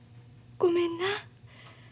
ごめんな。